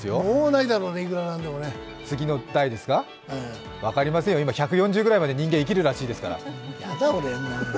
もうないだろうね、いくらなんでも次の代ですか、分かりませんよ、今、１４０歳ぐらいまで人間生きるらしいですから。